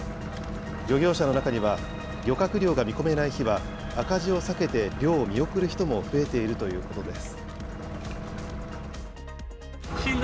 漁業者の中には、漁獲量が見込めない日は赤字を避けて漁を見送る人も増えているということです。